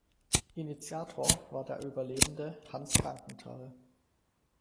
Initiator war der Überlebende Hans Frankenthal.